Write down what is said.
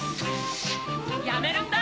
やめるんだ！